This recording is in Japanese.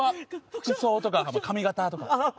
服装とか髪形とか特徴？